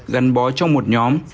gắn bó trong một nhóm